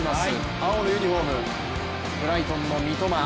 青のユニフォーム、ブライトンの三笘。